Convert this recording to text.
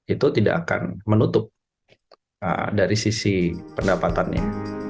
itu tidak akan menutup dari sisi pendapatannya